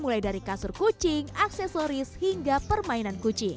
mulai dari kasur kucing aksesoris hingga permainan kucing